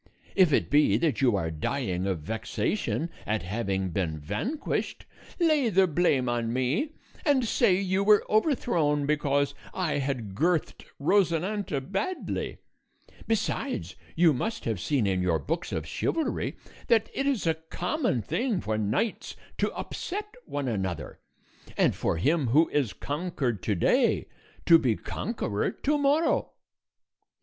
If it be that you are dying of vexation at having been vanquished, lay the blame on me, and say you were overthrown because I had girthed Rosinante badly; besides, you must have seen in your books of chivalry that it is a common thing for knights to upset one another, and for him who is conquered to day to be conqueror to morrow."